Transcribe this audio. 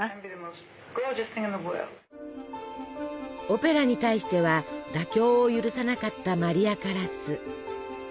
オペラに対しては妥協を許さなかったマリア・カラス。